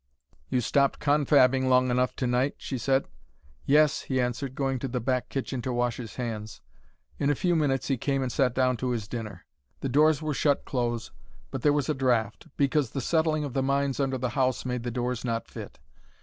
"You stopped confabbing long enough tonight," she said. "Yes," he answered, going to the back kitchen to wash his hands. In a few minutes he came and sat down to his dinner. The doors were shut close, but there was a draught, because the settling of the mines under the house made the doors not fit.